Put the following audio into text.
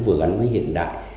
vừa gắn với hiện đại